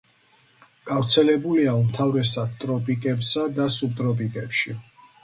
გავრცელებულია უმთავრესად ტროპიკებსა და სუბტროპიკებში.